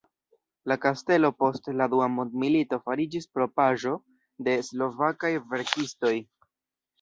La kastelo post la dua mondmilito fariĝis propraĵo de slovakaj verkistoj.